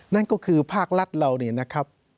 นั่นก็คือภาครัฐเราเนี่ยนะครับ